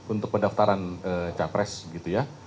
untuk pendaftaran capres gitu ya